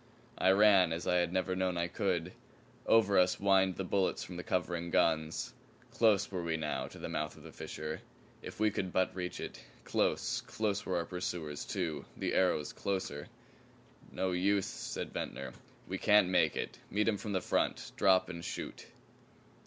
I ran as I had never known I could. Over us whined the bullets from the covering guns. Close were we now to the mouth of the fissure. If we could but reach it. Close, close were our pursuers, too the arrows closer. "No use!" said Ventnor. "We can't make it. Meet 'em from the front. Drop and shoot."